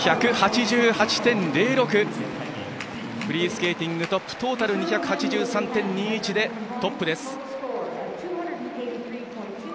フリースケーティングトップトータル２８３．２１でトップです。